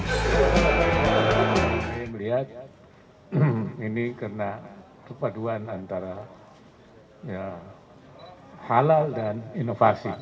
saya melihat ini karena kepaduan antara halal dan inovasi